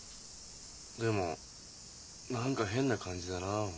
でも何か変な感じだな俺。